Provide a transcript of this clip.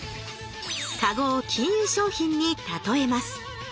カゴを金融商品に例えます。